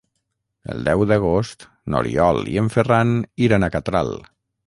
El deu d'agost n'Oriol i en Ferran iran a Catral.